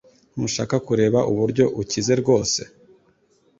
Ntushaka kureka uburyo ukize rwose